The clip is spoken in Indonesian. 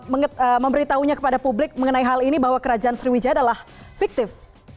memberitahunya kepada publik mengenai hal ini bahwa kerajaan sriwijaya adalah fiktif